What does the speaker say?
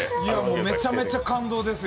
めちゃめちゃ感動ですよ。